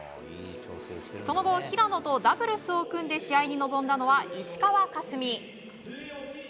その後、平野とダブルスを組んで試合に臨んだのは石川佳純。